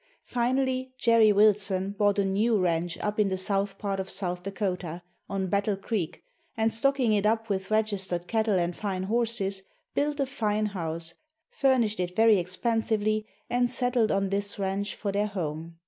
Finally Jerry Wilson bought a new ranch up in the south part of South Dakota, on Battle Creek, and stocking it up with registered cattle and fine horses, built a fine house, furnished it very expensively and settled on this ranch for their home.